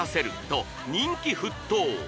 と人気沸騰！